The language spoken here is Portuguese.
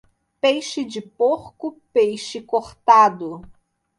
Peixe de porco, peixe cortado.